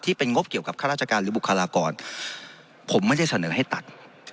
เป็นงบเกี่ยวกับข้าราชการหรือบุคลากรผมไม่ได้เสนอให้ตัด